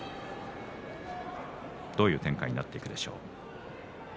どういう展開になっていくでしょうか。